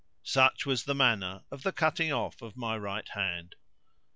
Such was the manner of the cutting off my right hand."